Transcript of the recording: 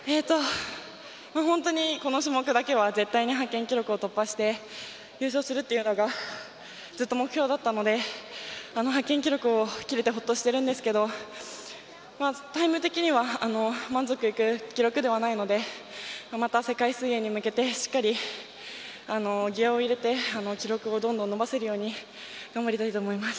本当にこの種目だけは絶対に派遣記録を突破して優勝するというのがずっと目標だったので派遣記録を切れてほっとしているんですけどタイム的には満足いく記録ではないのでまた世界水泳に向けてしっかりギヤを入れて記録をどんどん伸ばせるように頑張りたいと思います。